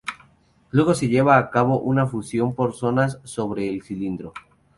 Luego se lleva a cabo una fusión por zonas sobre el cilindro.